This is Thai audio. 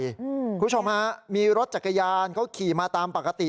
คุณผู้ชมฮะมีรถจักรยานเขาขี่มาตามปกติ